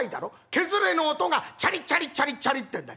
毛擦れの音がチャリチャリチャリチャリってんだ」。